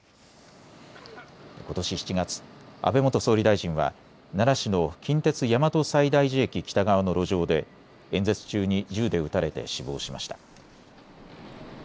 ことし７月、安倍元総理大臣は奈良市の近鉄・大和西大寺駅北側の路上で演説中に銃で撃たれて死亡しました。